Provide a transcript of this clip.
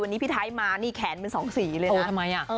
วันนี้พี่ไท้มาแขนเป็น๒สีเลยนะ